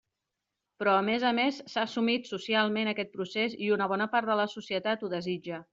Però a més a més s'ha assumit socialment aquest procés i una bona part de la societat ho desitja.